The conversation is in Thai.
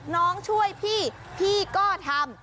น้องช่วยพี่พี่ก็ทำ